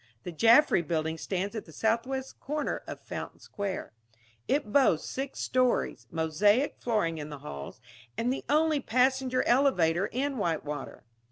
The Jaffry Building stands at the southwest corner of Fountain Square. It boasts six stories, mosaic flooring in the halls, and the only passenger elevator in Whitewater.